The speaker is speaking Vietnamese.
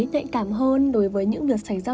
nhạy cảm hơn đối với những việc xảy ra